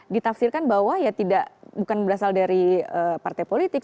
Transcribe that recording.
ditafsirkan bahwa ya tidak bukan berasal dari partai politik